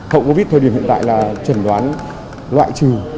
hậu covid thời điểm hiện tại là trần đoán loại trừ